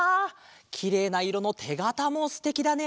きれいないろのてがたもすてきだね！